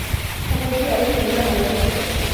სოფელში არის წმინდა მარიამის ეკლესია.